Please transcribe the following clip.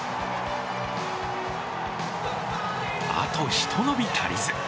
あとひと伸び足りず。